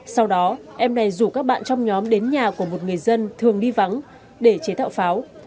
sau đó em này rủ các bạn trong nhóm đến nhà của một người dân thường đi vắng để chế tạo pháo